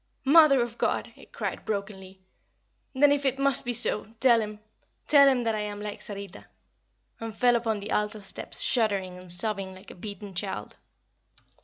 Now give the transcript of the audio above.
"Mother of God," it cried, brokenly, "then if it must be so tell him tell him that I am like Sarita!" and fell upon the altar steps shuddering and sobbing like a beaten child.